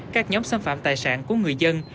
các nhóm xâm phạm tài sản của người dân